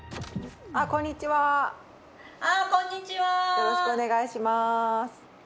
よろしくお願いします。